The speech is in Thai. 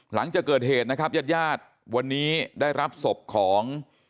หลังจากเกิดเหตุนะครับญาติญาติวันนี้ได้รับศพของ